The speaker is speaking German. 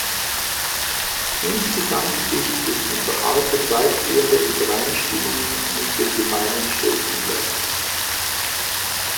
Insgesamt gibt es im Verhalten weitgehende Übereinstimmungen mit dem gemeinen Stelzenläufer.